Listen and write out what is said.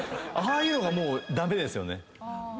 ああいうのがもう駄目ですよね。